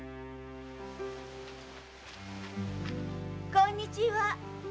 ・こんにちは！